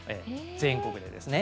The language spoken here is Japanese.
全国でですね。